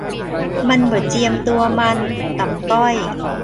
มันบ่เจียมตัวมัน ต่ำต้อย